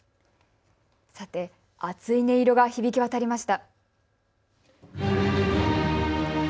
熱い音色が響き渡りました。